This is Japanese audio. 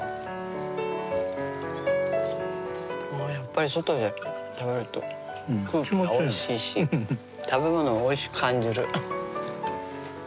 やっぱり外で食べると空気がおいしいし食べ物がおいしく感じる。